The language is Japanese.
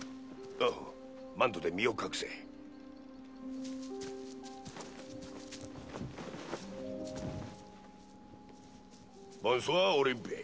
あっマントで身を隠せボンソワーオリンペ